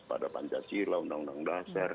pada pancasila undang undang dasar